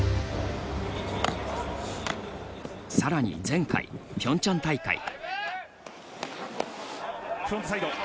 さらに、前回ピョンチャン大会。